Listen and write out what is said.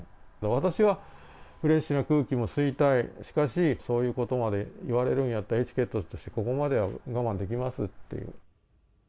私はフレッシュな空気も吸いたい、しかしそういうことまで言われるんやったらエチケットとして、ここまで我慢できますっていう。